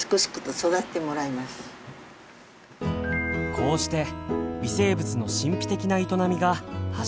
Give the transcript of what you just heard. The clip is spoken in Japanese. こうして微生物の神秘的な営みが始まります。